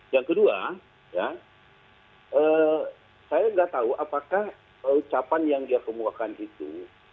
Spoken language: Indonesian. yang kedua saya nggak tahu apakah ucapan yang dia kemukakan itu